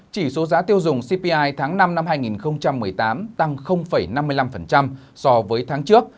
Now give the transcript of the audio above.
chỉ số giá tiêu dùng cpi tháng năm năm hai nghìn một mươi tám tăng năm mươi năm so với tháng trước